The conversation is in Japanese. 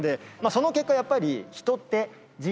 その結果やっぱり。